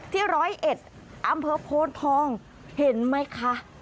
ที่๑๐๑อำเภอโพรทองเห็นไหมคะ